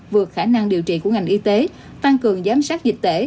vượt khả năng điều trị của ngành y tế tăng cường giám sát dịch tễ